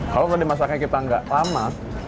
kalau tadi masaknya kita nggak lama